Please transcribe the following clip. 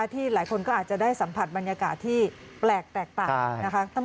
ที่หลายคนก็อาจจะได้สัมผัสบรรยากาศที่แปลกต่างนะคะ